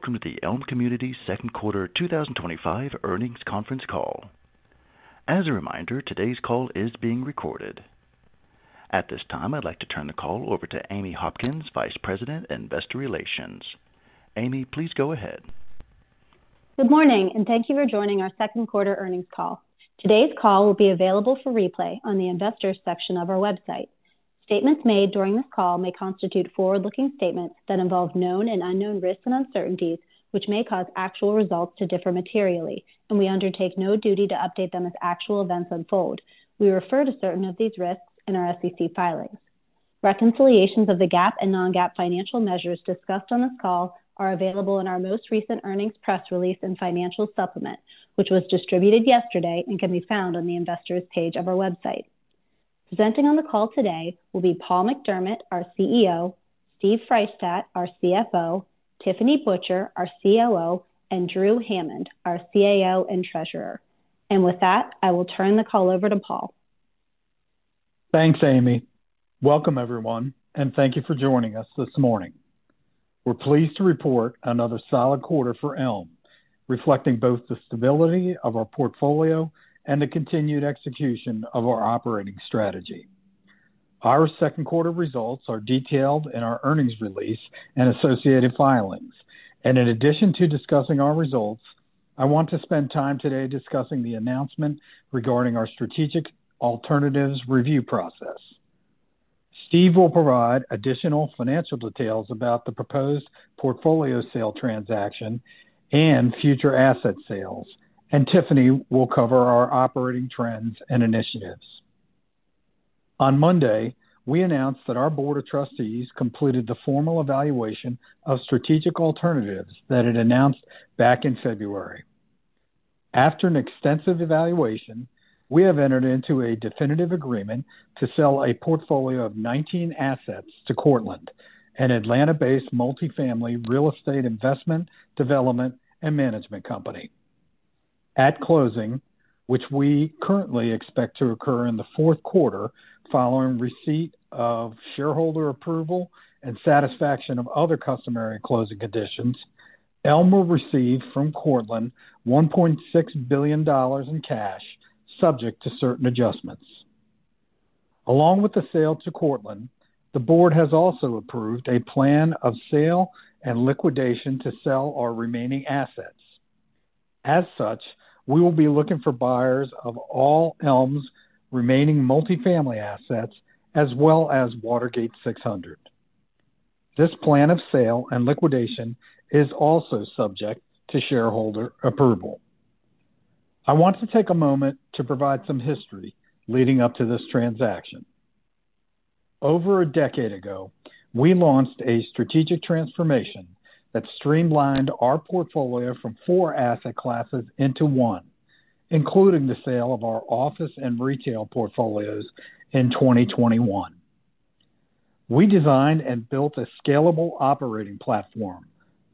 Welcome to the Elme Communities Second Quarter 2025 Earnings Conference Call. As a reminder, today's call is being recorded. At this time, I'd like to turn the call over to Amy Hopkins, Vice President, Investor Relations. Amy, please go ahead. Good morning, and thank you for joining our second quarter earnings call. Today's call will be available for replay on the Investors section of our website. Statements made during this call may constitute forward-looking statements that involve known and unknown risks and uncertainties, which may cause actual results to differ materially, and we undertake no duty to update them as actual events unfold. We refer to certain of these risks in our SEC filing. Reconciliations of the GAAP and non-GAAP financial measures discussed on this call are available in our most recent earnings press release and financial supplement, which was distributed yesterday and can be found on the Investors page of our website. Presenting on the call today will be Paul McDermott, our CEO, Steven Freishtat, our CFO, Tiffany Butcher, our COO, and Drew Hammond, our CAO and Treasurer. With that, I will turn the call over to Paul. Thanks, Amy. Welcome, everyone, and thank you for joining us this morning. We're pleased to report another solid quarter for Elme, reflecting both the stability of our portfolio and the continued execution of our operating strategy. Our second quarter results are detailed in our earnings release and associated filings. In addition to discussing our results, I want to spend time today discussing the announcement regarding our strategic alternatives review process. Steve will provide additional financial details about the proposed portfolio sale transaction and future asset sales, and Tiffany will cover our operating trends and initiatives. On Monday, we announced that our Board of Trustees completed the formal evaluation of strategic alternatives that it announced back in February. After an extensive evaluation, we have entered into a definitive agreement to sell a portfolio of 19-assets to Cortland, an Atlanta-based multifamily real estate investment development and management company. At closing, which we currently expect to occur in the fourth quarter following receipt of shareholder approval and satisfaction of other customary closing conditions, Elme will receive from Cortland $1.6 billion in cash, subject to certain adjustments. Along with the sale to Cortland, the Board has also approved a plan of sale and liquidation to sell our remaining assets. As such, we will be looking for buyers of all Elme's remaining multifamily assets, as well as Watergate 600. This plan of sale and liquidation is also subject to shareholder approval. I want to take a moment to provide some history leading up to this transaction. Over a decade ago, we launched a strategic transformation that streamlined our portfolio from four asset classes into one, including the sale of our office and retail portfolios in 2021. We designed and built a scalable operating platform,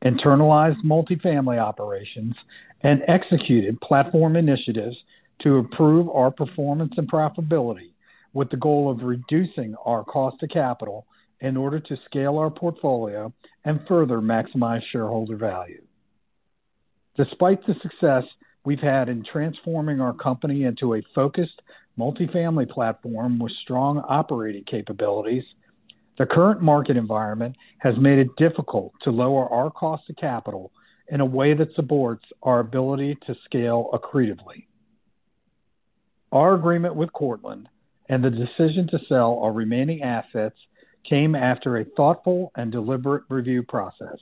internalized multifamily operations, and executed platform initiatives to improve our performance and profitability with the goal of reducing our cost of capital in order to scale our portfolio and further maximize shareholder value. Despite the success we've had in transforming our company into a focused multifamily platform with strong operating capabilities, the current market environment has made it difficult to lower our cost of capital in a way that supports our ability to scale accretively. Our agreement with Cortland and the decision to sell our remaining assets came after a thoughtful and deliberate review process,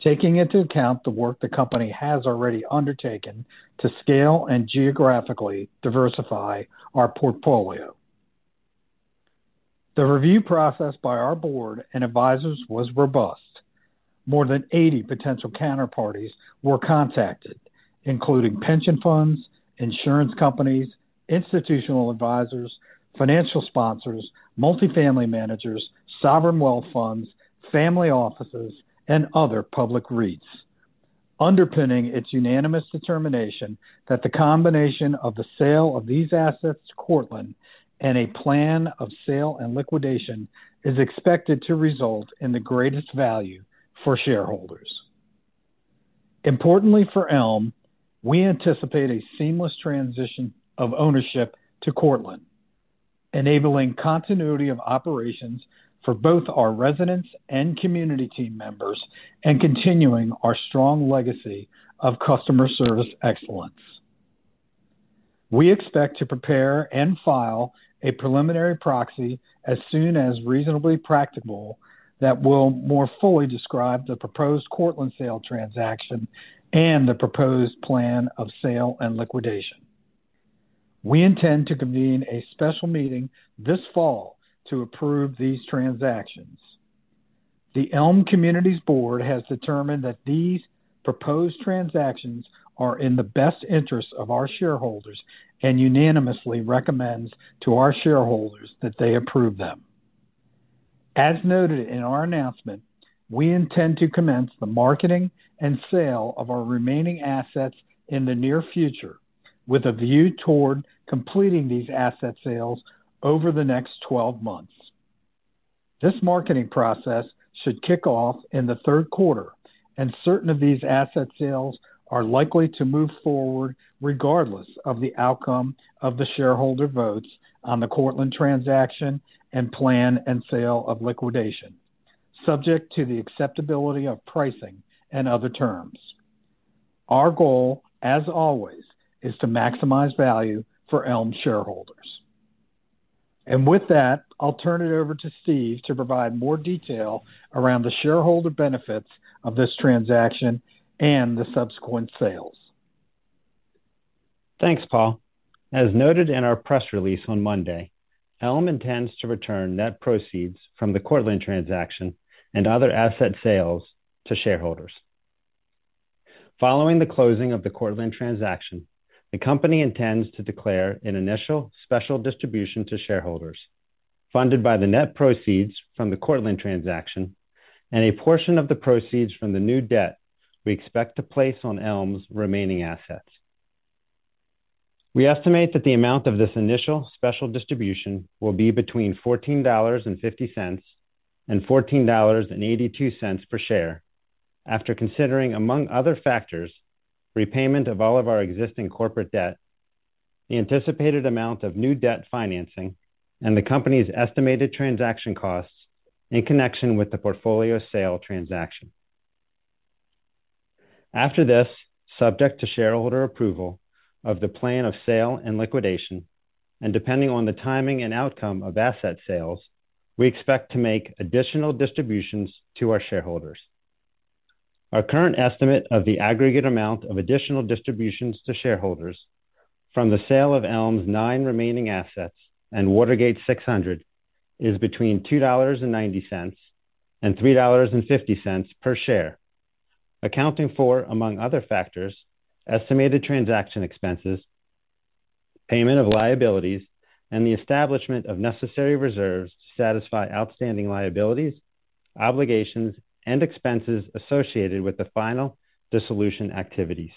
taking into account the work the company has already undertaken to scale and geographically diversify our portfolio. The review process by our Board and advisors was robust. More than 80 potential counterparties were contacted, including pension funds, insurance companies, institutional advisors, financial sponsors, multifamily managers, sovereign wealth funds, family offices, and other public REITs. Underpinning its unanimous determination is that the combination of the sale of these assets to Cortland and a plan of sale and liquidation is expected to result in the greatest value for shareholders. Importantly for Elme, we anticipate a seamless transition of ownership to Cortland, enabling continuity of operations for both our residents and community team members and continuing our strong legacy of customer service excellence. We expect to prepare and file a preliminary proxy as soon as reasonably practical that will more fully describe the proposed Cortland sale transaction and the proposed plan of sale and liquidation. We intend to convene a special meeting this fall to approve these transactions. The Elme Communities Board has determined that these proposed transactions are in the best interests of our shareholders and unanimously recommends to our shareholders that they approve them. As noted in our announcement, we intend to commence the marketing and sale of our remaining assets in the near future, with a view toward completing these asset sales over the next 12 months. This marketing process should kick off in the third quarter, and certain of these asset sales are likely to move forward regardless of the outcome of the shareholder votes on the Cortland transaction and plan and sale of liquidation, subject to the acceptability of pricing and other terms. Our goal, as always, is to maximize value for Elme shareholders. I'll turn it over to Steve to provide more detail around the shareholder benefits of this transaction and the subsequent sales. Thanks, Paul. As noted in our press release on Monday, Elme intends to return net proceeds from the Cortland transaction and other asset sales to shareholders. Following the closing of the Cortland transaction, the company intends to declare an initial special distribution to shareholders funded by the net proceeds from the Cortland transaction and a portion of the proceeds from the new debt we expect to place on Elme's remaining assets. We estimate that the amount of this initial special distribution will be between $14.50 and $14.82 per share, after considering, among other factors, repayment of all of our existing corporate debt, the anticipated amount of new debt financing, and the company's estimated transaction costs in connection with the portfolio sale transaction. After this, subject to shareholder approval of the plan of sale and liquidation, and depending on the timing and outcome of asset sales, we expect to make additional distributions to our shareholders. Our current estimate of the aggregate amount of additional distributions to shareholders from the sale of Elme's nine remaining assets and Watergate 600 is between $2.90 and $3.50 per share, accounting for, among other factors, estimated transaction expenses, payment of liabilities, and the establishment of necessary reserves to satisfy outstanding liabilities, obligations, and expenses associated with the final dissolution activities.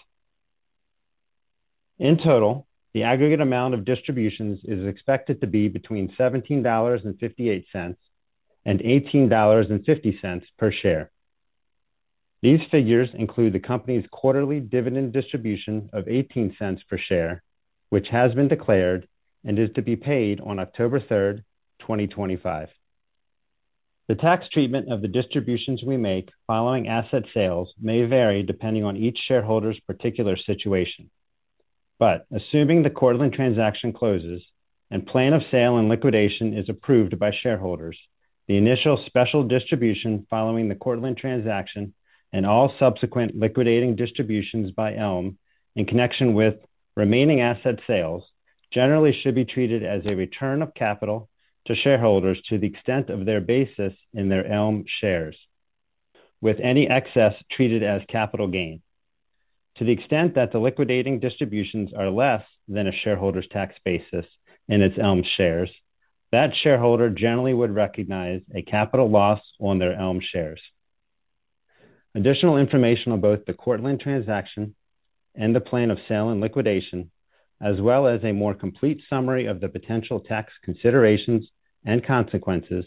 In total, the aggregate amount of distributions is expected to be between $17.58 and $18.50 per share. These figures include the company's quarterly dividend distribution of $0.18 per share, which has been declared and is to be paid on October 3, 2025. The tax treatment of the distributions we make following asset sales may vary depending on each shareholder's particular situation. Assuming the Cortland transaction closes and plan of sale and liquidation is approved by shareholders, the initial special distribution following the Cortland transaction and all subsequent liquidating distributions by Elme in connection with remaining asset sales generally should be treated as a return of capital to shareholders to the extent of their basis in their Elme shares, with any excess treated as capital gain. To the extent that the liquidating distributions are less than a shareholder's tax basis in its Elme shares, that shareholder generally would recognize a capital loss on their Elme shares. Additional information on both the Cortland transaction and the plan of sale and liquidation, as well as a more complete summary of the potential tax considerations and consequences,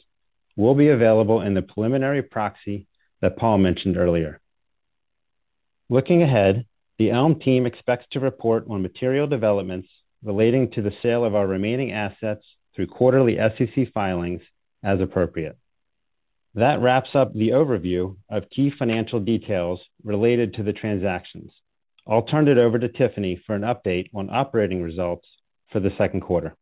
will be available in the preliminary proxy that Paul mentioned earlier. Looking ahead, the Elme team expects to report on material developments relating to the sale of our remaining assets through quarterly SEC filings as appropriate. That wraps up the overview of key financial details related to the transactions. I'll turn it over to Tiffany for an update on operating results for the second quarter.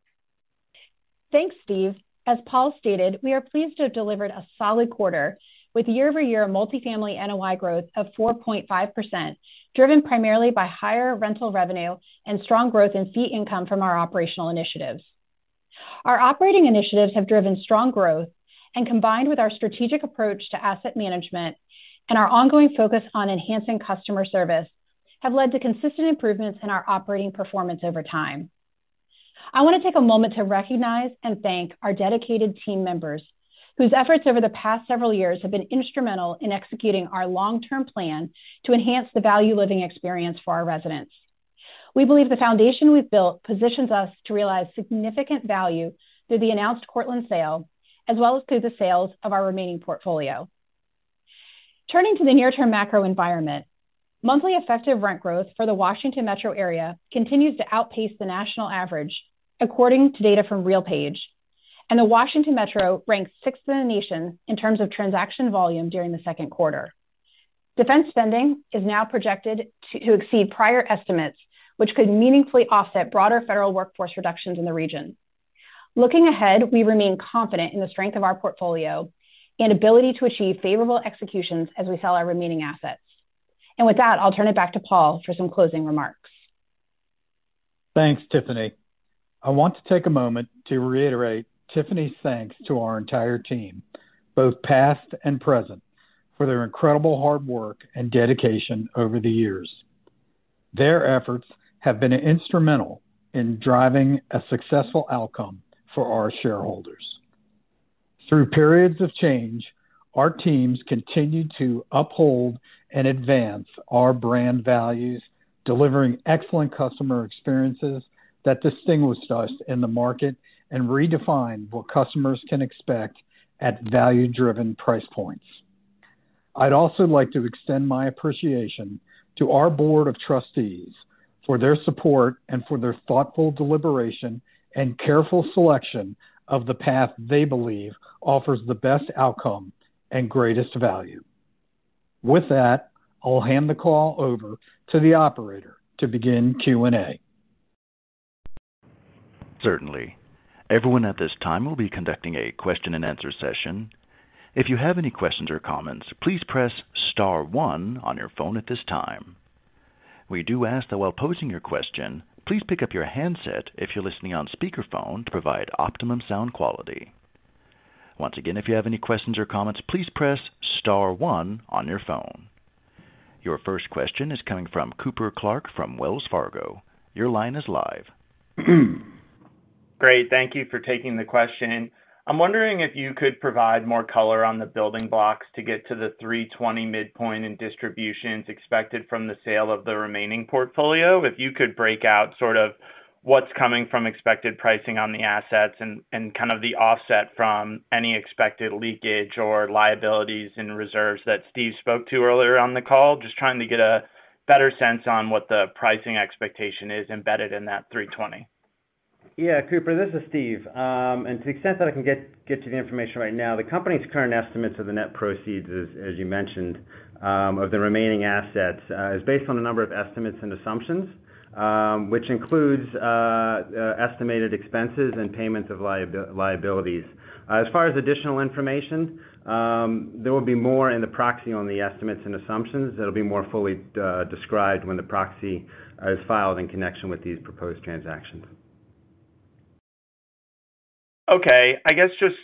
Thanks, Steve. As Paul stated, we are pleased to have delivered a solid quarter with year-over-year multifamily NOI growth of 4.5%, driven primarily by higher rental revenue and strong growth in fee income from our operational initiatives. Our operating initiatives have driven strong growth, and combined with our strategic approach to asset management and our ongoing focus on enhancing customer service, have led to consistent improvements in our operating performance over time. I want to take a moment to recognize and thank our dedicated team members, whose efforts over the past several years have been instrumental in executing our long-term plan to enhance the value living experience for our residents. We believe the foundation we've built positions us to realize significant value through the announced Cortland sale, as well as through the sales of our remaining portfolio. Turning to the near-term macro environment, monthly effective rent growth for the Washington Metro area continues to outpace the national average, according to data from RealPage, and the Washington Metro ranks sixth in the nation in terms of transaction volume during the second quarter. Defense spending is now projected to exceed prior estimates, which could meaningfully offset broader federal workforce reductions in the region. Looking ahead, we remain confident in the strength of our portfolio and ability to achieve favorable executions as we sell our remaining assets. I'll turn it back to Paul for some closing remarks. Thanks, Tiffany. I want to take a moment to reiterate Tiffany's thanks to our entire team, both past and present, for their incredible hard work and dedication over the years. Their efforts have been instrumental in driving a successful outcome for our shareholders. Through periods of change, our teams continue to uphold and advance our brand values, delivering excellent customer experiences that distinguish us in the market and redefine what customers can expect at value-driven price points. I’d also like to extend my appreciation to our Board of Trustees for their support and for their thoughtful deliberation and careful selection of the path they believe offers the best outcome and greatest value. With that, I'll hand the call over to the operator to begin Q&A. Certainly. Everyone at this time will be conducting a question and answer session. If you have any questions or comments, please press star one on your phone at this time. We do ask that while posing your question, please pick up your handset if you're listening on speakerphone to provide optimum sound quality. Once again, if you have any questions or comments, please press star one on your phone. Your first question is coming from Cooper Clark from Wells Fargo. Your line is live. Great. Thank you for taking the question. I'm wondering if you could provide more color on the building blocks to get to the $320 million midpoint and distributions expected from the sale of the remaining portfolio. If you could break out sort of what's coming from expected pricing on the assets and kind of the offset from any expected leakage or liabilities and reserves that Steve spoke to earlier on the call, just trying to get a better sense on what the pricing expectation is embedded in that $320 million. Yeah, Cooper, this is Steve. To the extent that I can get you the information right now, the company's current estimates of the net proceeds, as you mentioned, of the remaining assets are based on a number of estimates and assumptions, which includes estimated expenses and payments of liabilities. As far as additional information, there will be more in the proxy on the estimates and assumptions. It'll be more fully described when the proxy is filed in connection with these proposed transactions. Okay. I guess just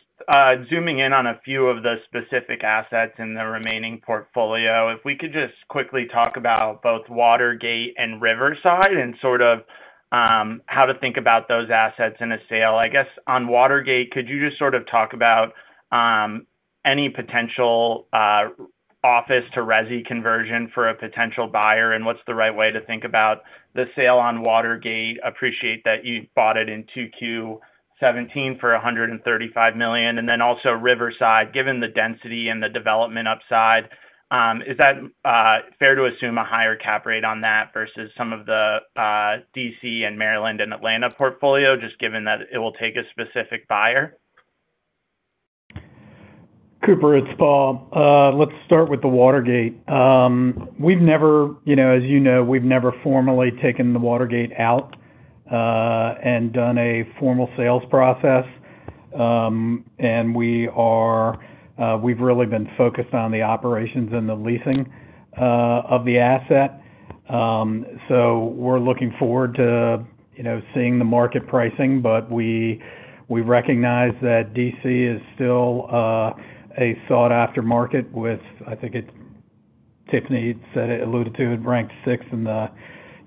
zooming in on a few of the specific assets in the remaining portfolio, if we could just quickly talk about both Watergate and Riverside and sort of how to think about those assets in a sale. I guess on Watergate 600, could you just sort of talk about any potential office to resi conversion for a potential buyer and what's the right way to think about the sale on Watergate? I appreciate that you bought it in 2Q 2017 for $135 million. And then also Riverside, given the density and the development upside, is that fair to assume a higher cap rate on that versus some of the D.C. and Maryland and Atlanta portfolio, just given that it will take a specific buyer? Cooper, it's Paul. Let's start with the Watergate. As you know, we've never formally taken the Watergate out and done a formal sales process. We've really been focused on the operations and the leasing of the asset. We're looking forward to seeing the market pricing, but we recognize that D.C. is still a sought-after market with, I think as Tiffany said or alluded to, it ranked sixth in the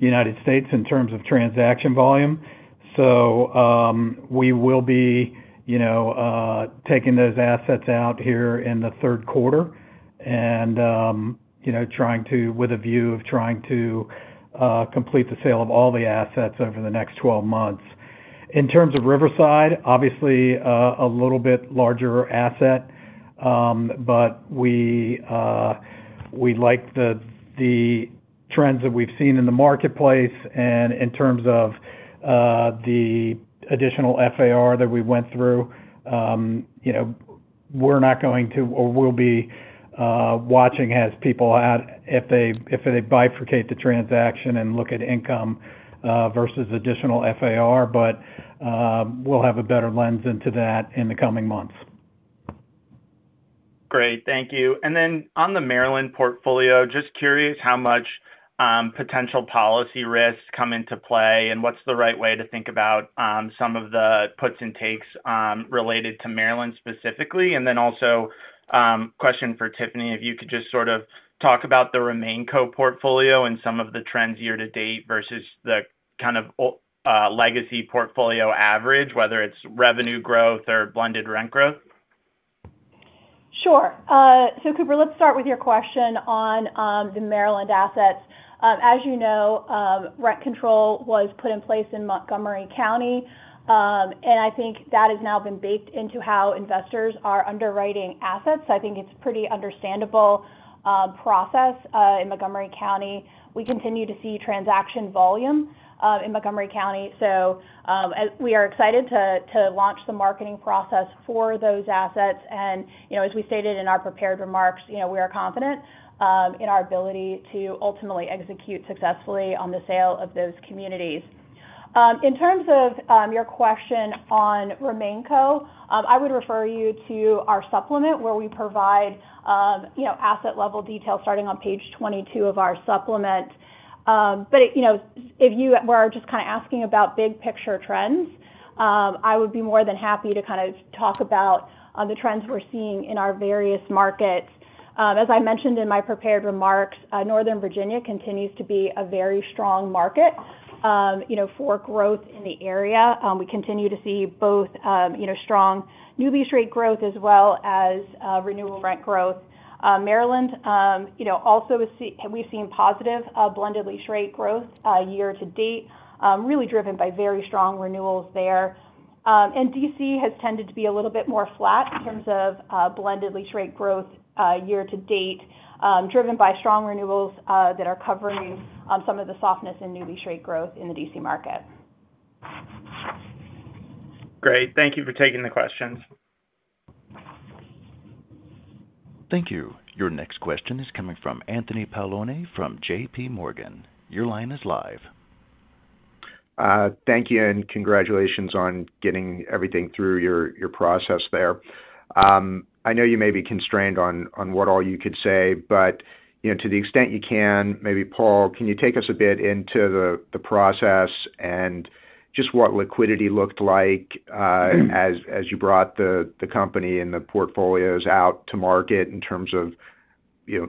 United States in terms of transaction volume. We will be taking those assets out here in the third quarter, with a view of trying to complete the sale of all the assets over the next 12 months. In terms of Riverside, obviously a little bit larger asset, but we like the trends that we've seen in the marketplace. In terms of the additional FAR that we went through, we're not going to, or we'll be watching as people add, if they bifurcate the transaction and look at income versus additional FAR, but we'll have a better lens into that in the coming months. Great. Thank you. On the Maryland portfolio, just curious how much potential policy risks come into play and what's the right way to think about some of the puts and takes related to Maryland specifically. Also, a question for Tiffany, if you could just sort of talk about the RemainCo portfolio and some of the trends year to date versus the kind of legacy portfolio average, whether it's revenue growth or blended rent growth. Sure. Cooper, let's start with your question on the Maryland assets. As you know, rent control was put in place in Montgomery County, and I think that has now been baked into how investors are underwriting assets. I think it's a pretty understandable process in Montgomery County. We continue to see transaction volume in Montgomery County. We are excited to launch the marketing process for those assets. As we stated in our prepared remarks, we are confident in our ability to ultimately execute successfully on the sale of those communities. In terms of your question on RemainCo, I would refer you to our supplement where we provide asset level details starting on page 22 of our supplement. If you were just kind of asking about big picture trends, I would be more than happy to kind of talk about the trends we're seeing in our various markets. As I mentioned in my prepared remarks, Northern Virginia continues to be a very strong market for growth in the area. We continue to see both strong new lease rate growth as well as renewal rent growth. Maryland also, we've seen positive blended lease rate growth year to date, really driven by very strong renewals there. D.C. has tended to be a little bit more flat in terms of blended lease rate growth year to date, driven by strong renewals that are covering some of the softness in new lease rate growth in the D.C. market. Great. Thank you for taking the questions. Thank you. Your next question is coming from Anthony Paolone from JPMorgan. Your line is live. Thank you, and congratulations on getting everything through your process there. I know you may be constrained on what all you could say. To the extent you can, maybe Paul, can you take us a bit into the process and just what liquidity looked like as you brought the company and the portfolios out to market in terms of, you know,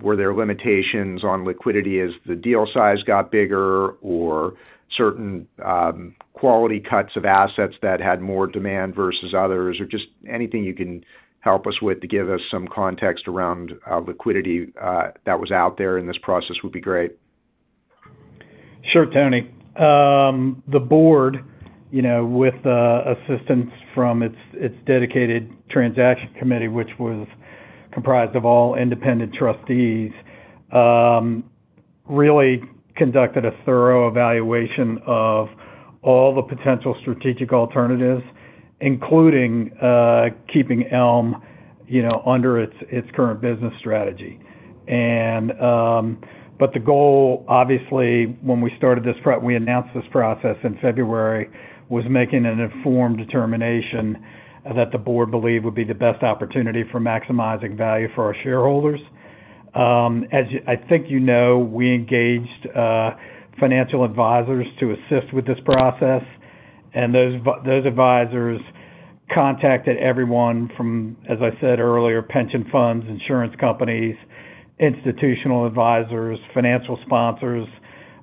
were there limitations on liquidity as the deal size got bigger or certain quality cuts of assets that had more demand versus others or just anything you can help us with to give us some context around liquidity that was out there in this process would be great. Sure, Tony. The Board, with assistance from its dedicated transaction committee, which was comprised of all independent trustees, really conducted a thorough evaluation of all the potential strategic alternatives, including keeping Elme, you know, under its current business strategy. The goal, obviously, when we started this front, we announced this process in February, was making an informed determination that the Board believed would be the best opportunity for maximizing value for our shareholders. As I think you know, we engaged financial advisors to assist with this process, and those advisors contacted everyone from, as I said earlier, pension funds, insurance companies, institutional advisors, financial sponsors,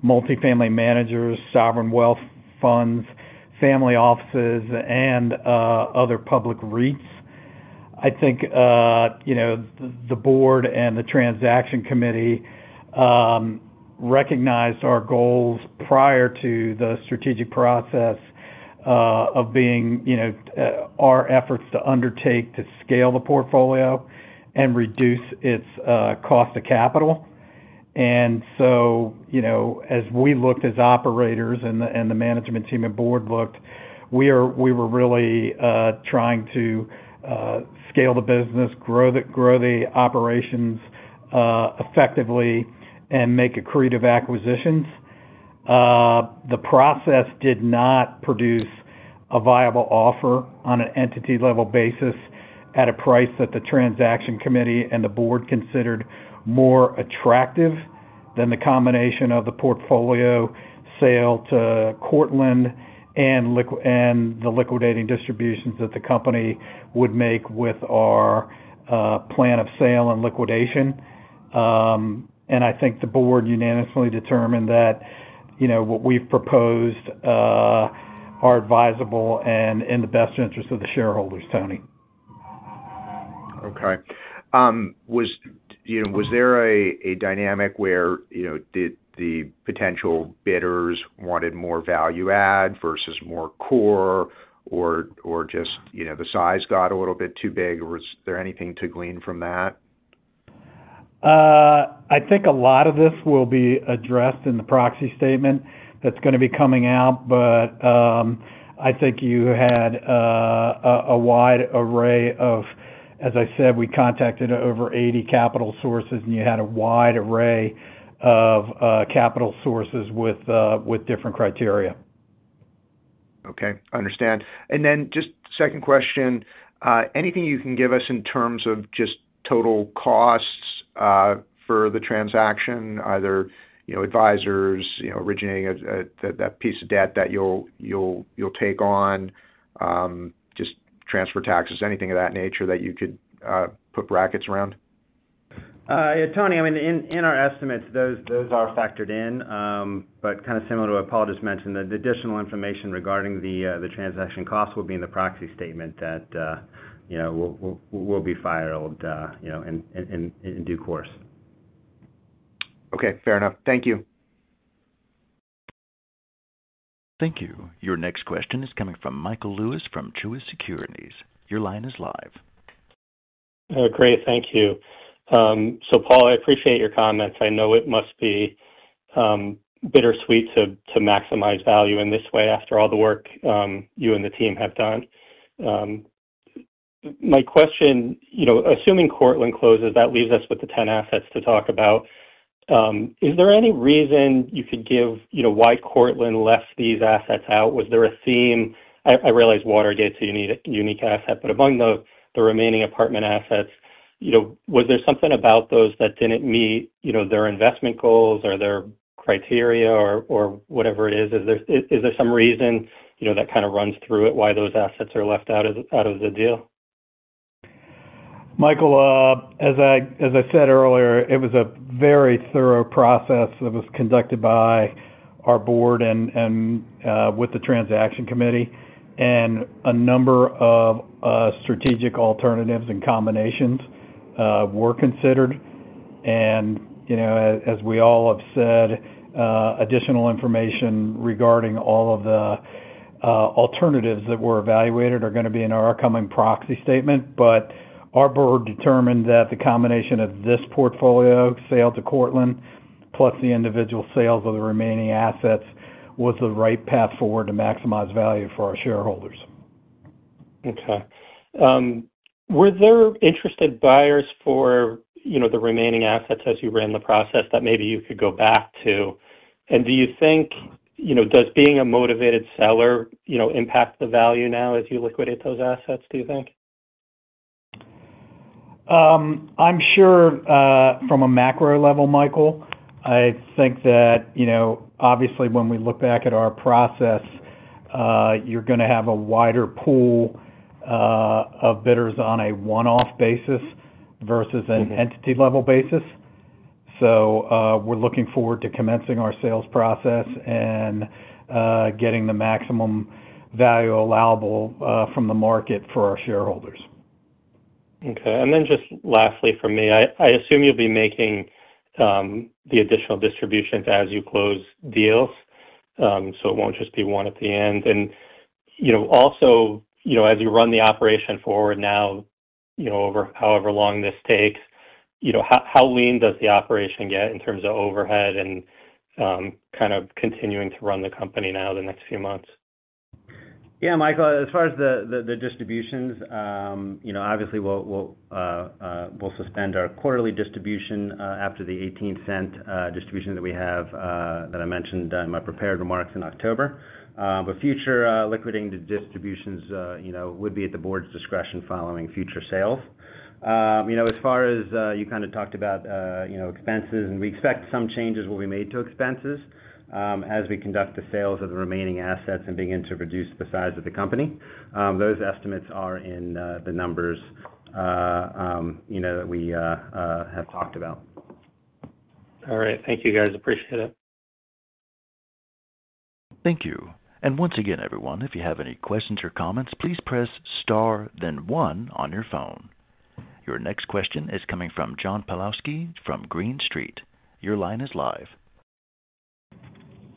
multifamily managers, sovereign wealth funds, family offices, and other public REITs. I think the Board and the transaction committee recognized our goals prior to the strategic process of being our efforts to undertake to scale the portfolio and reduce its cost of capital. As we looked as operators and the management team and Board looked, we were really trying to scale the business, grow the operations effectively, and make accretive acquisitions. The process did not produce a viable offer on an entity-level basis at a price that the transaction committee and the Board considered more attractive than the combination of the portfolio sale to Cortland and the liquidating distributions that the company would make with our plan of sale and liquidation. I think the Board unanimously determined that what we've proposed are advisable and in the best interests of the shareholders, Tony. Okay. Was there a dynamic where, did the potential bidders want more value add versus more core, or just the size got a little bit too big, or was there anything to glean from that? I think a lot of this will be addressed in the proxy statement that's going to be coming out. I think you had a wide array of, as I said, we contacted over 80 capital sources, and you had a wide array of capital sources with different criteria. Okay. I understand. Is there anything you can give us in terms of total costs for the transaction, either advisors, originating that piece of debt that you'll take on, transfer taxes, anything of that nature that you could put brackets around? Yeah, Tony, in our estimates, those are factored in, but similar to what Paul just mentioned, the additional information regarding the transaction costs will be in the proxy statement that will be filed in due course. Okay. Fair enough. Thank you. Thank you. Your next question is coming from Michael Lewis from Truist Securities. Your line is live. Great. Thank you. Paul, I appreciate your comments. I know it must be bittersweet to maximize value in this way after all the work you and the team have done. My question, assuming Cortland closes, that leaves us with the 10 assets to talk about. Is there any reason you could give why Cortland left these assets out? Was there a theme? I realize Watergate is a unique asset, but among the remaining apartment assets, was there something about those that didn't meet their investment goals or their criteria or whatever it is? Is there some reason that kind of runs through it, why those assets are left out of the deal? Michael, as I said earlier, it was a very thorough process that was conducted by our Board and with the transaction committee, and a number of strategic alternatives and combinations were considered. As we all have said, additional information regarding all of the alternatives that were evaluated are going to be in our upcoming proxy statement. Our Board determined that the combination of this portfolio sale to Cortland plus the individual sales of the remaining assets was the right path forward to maximize value for our shareholders. Okay. Were there interested buyers for the remaining assets as you ran the process that maybe you could go back to? Do you think being a motivated seller impacts the value now as you liquidate those assets, do you think? I'm sure from a macro level, Michael, I think that, obviously, when we look back at our process, you're going to have a wider pool of bidders on a one-off basis versus an entity-level basis. We're looking forward to commencing our sales process and getting the maximum value allowable from the market for our shareholders. Okay. Lastly for me, I assume you'll be making the additional distributions as you close deals, so it won't just be one at the end. Also, as you run the operation forward now, over however long this takes, how lean does the operation get in terms of overhead and kind of continuing to run the company now the next few months? Yeah, Michael, as far as the distributions, obviously we'll suspend our quarterly distribution after the $0.18 distribution that I mentioned in my prepared remarks in October. Future liquidating distributions would be at the Board's discretion following future sales. As far as you talked about expenses, we expect some changes will be made to expenses as we conduct the sales of the remaining assets and begin to reduce the size of the company. Those estimates are in the numbers that we have talked about. All right. Thank you, guys. Appreciate it. Thank you. Once again, everyone, if you have any questions or comments, please press star then one on your phone. Your next question is coming from John Pawlowski from Green Street. Your line is live.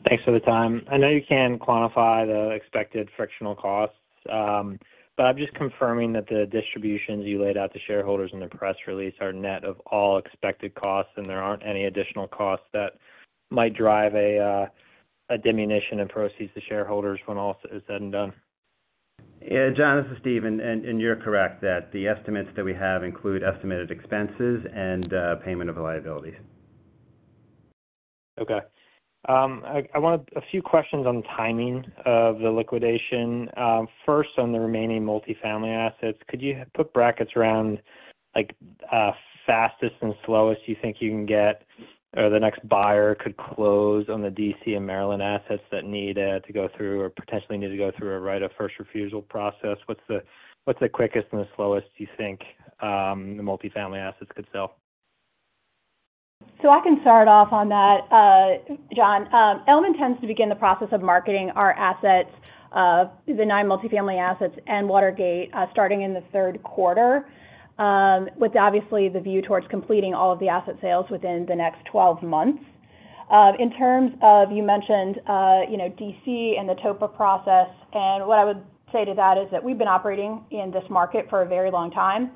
Thanks for the time. I know you can't quantify the expected frictional costs, but I'm just confirming that the distributions you laid out to shareholders in the press release are net of all expected costs, and there aren't any additional costs that might drive a diminution in proceeds to shareholders when all is said and done? Yeah, John, this is Steven and you're correct that the estimates that we have include estimated expenses and payment of liabilities. Okay. I want a few questions on the timing of the liquidation. First, on the remaining multifamily assets, could you put brackets around like fastest and slowest you think you can get, or the next buyer could close on the D.C. and Maryland assets that need to go through or potentially need to go through a right of first refusal process? What's the quickest and the slowest you think the multifamily assets could sell? I can start off on that, John. Elme intends to begin the process of marketing our assets, the nine multifamily assets and Watergate, starting in the third quarter, with obviously the view towards completing all of the asset sales within the next 12 months. In terms of, you mentioned, you know, D.C. and the TOPA process, what I would say to that is that we've been operating in this market for a very long time.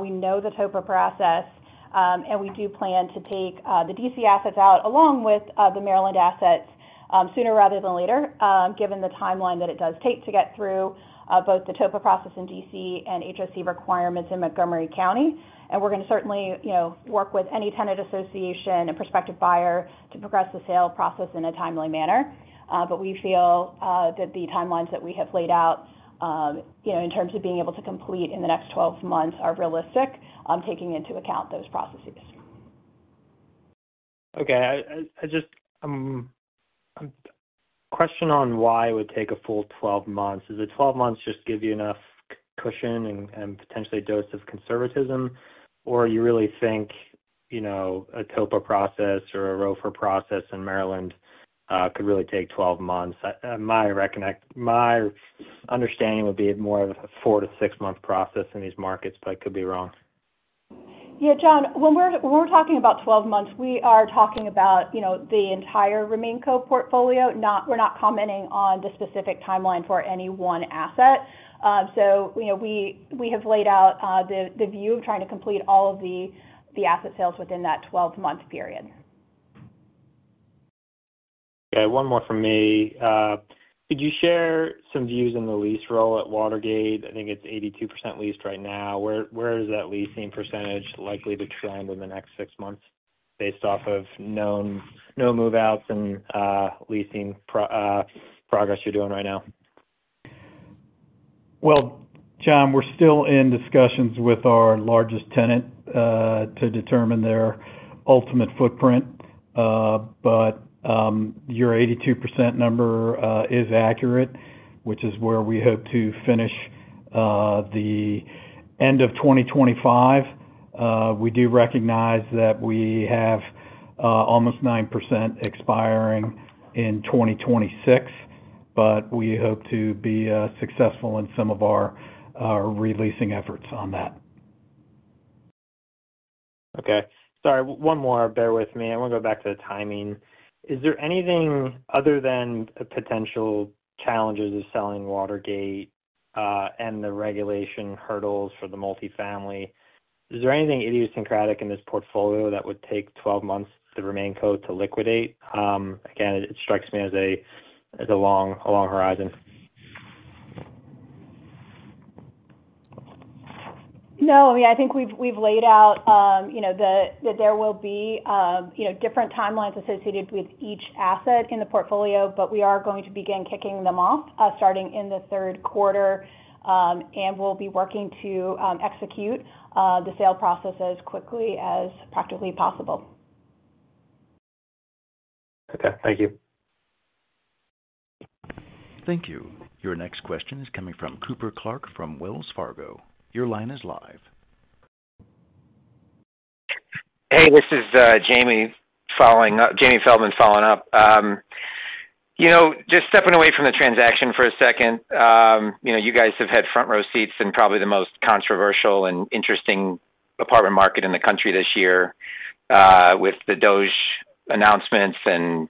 We know the TOPA process, and we do plan to take the D.C. assets out along with the Maryland assets sooner rather than later, given the timeline that it does take to get through both the TOPA process in D.C. and HOC requirements in Montgomery County. We're going to certainly work with any tenant association and prospective buyer to progress the sale process in a timely manner. We feel that the timelines that we have laid out, in terms of being able to complete in the next 12 months, are realistic, taking into account those processes. Okay. I just have a question on why it would take a full 12 months. Do the 12 months just give you enough cushion and potentially a dose of conservatism, or do you really think, you know, a TOPA process or a ROFR process in Maryland could really take 12 months? My understanding would be more of a four to six-month process in these markets, but I could be wrong. Yeah, John, when we're talking about 12 months, we are talking about, you know, the entire RemainCo portfolio. We're not commenting on the specific timeline for any one asset. We have laid out the view of trying to complete all of the asset sales within that 12-month period. Okay. One more from me. Could you share some views on the lease roll at Watergate? I think it's 82% leased right now. Where is that leasing percentage likely to trend in the next six months based off of known move-outs and leasing progress you're doing right now? We are still in discussions with our largest tenant to determine their ultimate footprint. Your 82% number is accurate, which is where we hope to finish at the end of 2025. We do recognize that we have almost 9% expiring in 2026, and we hope to be successful in some of our releasing efforts on that. Okay. Sorry. One more. Bear with me. I want to go back to the timing. Is there anything other than the potential challenges of selling Watergate and the regulation hurdles for the multifamily? Is there anything idiosyncratic in this portfolio that would take 12 months for RemainCo to liquidate? Again, it strikes me as a long horizon. No. I think we've laid out that there will be different timelines associated with each asset in the portfolio, but we are going to begin kicking them off starting in the third quarter and will be working to execute the sale process as quickly as practically possible. Okay, thank you. Thank you. Your next question is coming from Cooper Clark from Wells Fargo. Your line is live. Hey, this is Jamie Feldman following up. Just stepping away from the transaction for a second, you guys have had front row seats in probably the most controversial and interesting apartment market in the country this year with the DOGE announcements and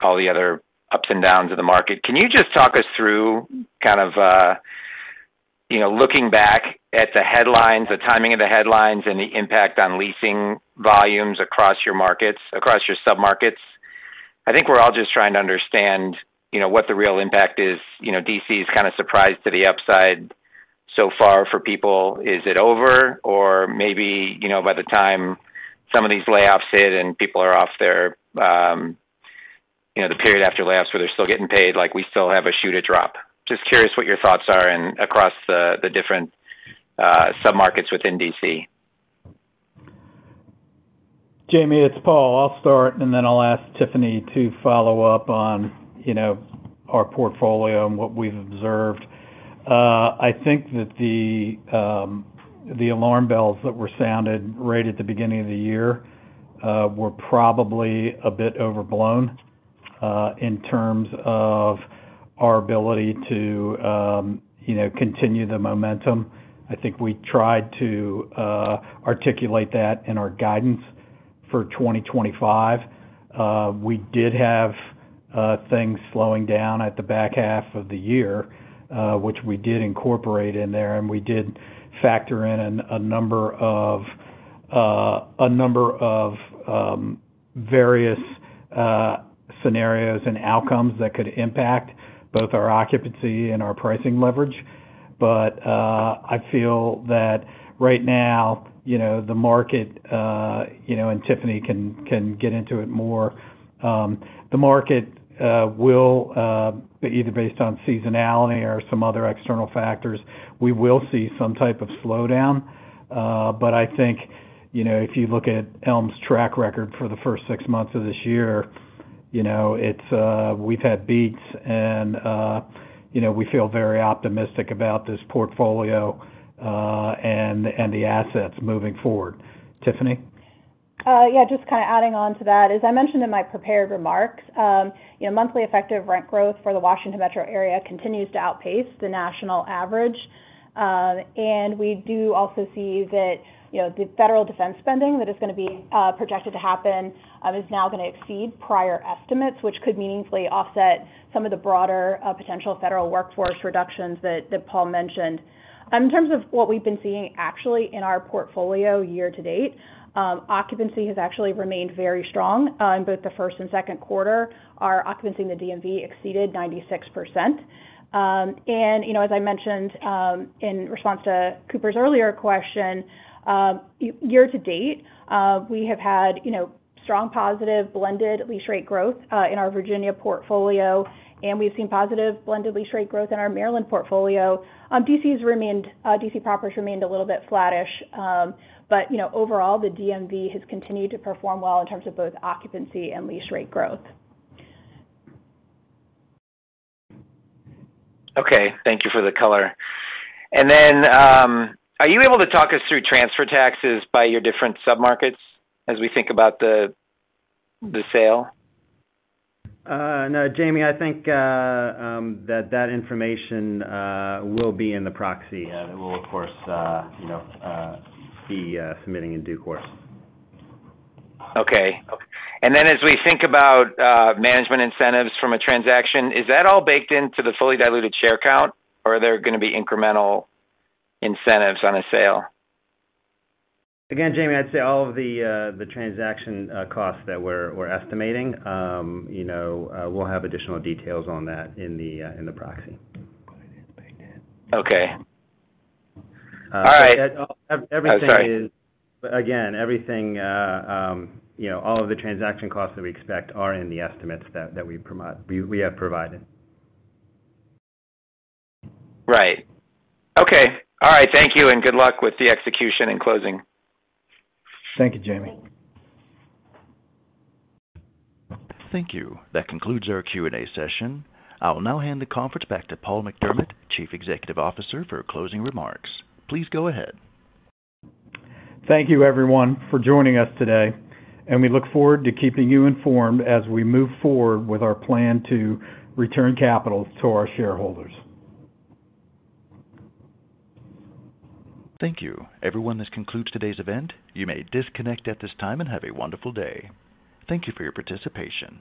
all the other ups and downs of the market. Can you just talk us through kind of looking back at the headlines, the timing of the headlines, and the impact on leasing volumes across your markets, across your submarkets? I think we're all just trying to understand what the real impact is. D.C. is kind of surprised to the upside so far for people. Is it over? Or maybe by the time some of these layoffs hit and people are off their, the period after layoffs where they're still getting paid, like we still have a shoe to drop. Just curious what your thoughts are across the different submarkets within D.C. Jamie, it's Paul. I'll start and then I'll ask Tiffany to follow up on our portfolio and what we've observed. I think that the alarm bells that were sounded right at the beginning of the year were probably a bit overblown in terms of our ability to continue the momentum. I think we tried to articulate that in our guidance for 2025. We did have things slowing down at the back half of the year, which we did incorporate in there, and we did factor in a number of various scenarios and outcomes that could impact both our occupancy and our pricing leverage. I feel that right now the market, and Tiffany can get into it more, the market will be either based on seasonality or some other external factors. We will see some type of slowdown. I think if you look at Elme's track record for the first six months of this year, we've had beats and we feel very optimistic about this portfolio and the assets moving forward. Tiffany? Yeah, just kind of adding on to that. As I mentioned in my prepared remarks, monthly effective rent growth for the Washington Metro area continues to outpace the national average. We do also see that the federal defense spending that is going to be projected to happen is now going to exceed prior estimates, which could meaningfully offset some of the broader potential federal workforce reductions that Paul mentioned. In terms of what we've been seeing actually in our portfolio year to date, occupancy has actually remained very strong in both the first and second quarter. Our occupancy in the DMV exceeded 96%. As I mentioned in response to Cooper's earlier question, year to date, we have had strong positive blended lease rate growth in our Virginia portfolio, and we've seen positive blended lease rate growth in our Maryland portfolio. D.C. properties remained a little bit flattish. Overall, the DMV has continued to perform well in terms of both occupancy and lease rate growth. Okay. Thank you for the color. Are you able to talk us through transfer taxes by your different submarkets as we think about the sale? No, Jamie, I think that information will be in the proxy. It will, of course, be submitting in due course. Okay. As we think about management incentives from a transaction, is that all baked into the fully diluted share count, or are there going to be incremental incentives on a sale? Again, Jamie, I'd say all of the transaction costs that we're estimating, you know, we'll have additional details on that in the proxy. Okay. All right. Again, everything, all of the transaction costs that we expect are in the estimates that we have provided. Right. Okay. All right. Thank you and good luck with the execution and closing. Thank you, Jamie. Thank you. That concludes our Q&A session. I'll now hand the conference back to Paul McDermott, Chief Executive Officer, for closing remarks. Please go ahead. Thank you, everyone, for joining us today. We look forward to keeping you informed as we move forward with our plan to return capital to our shareholders. Thank you. Everyone, this concludes today's event. You may disconnect at this time and have a wonderful day. Thank you for your participation.